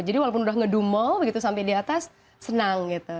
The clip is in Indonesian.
jadi walaupun udah ngedumel begitu sampai di atas senang gitu